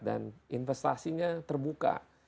dan investasinya terbuka